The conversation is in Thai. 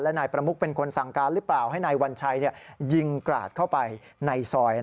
นายประมุกเป็นคนสั่งการหรือเปล่าให้นายวัญชัยยิงกราดเข้าไปในซอย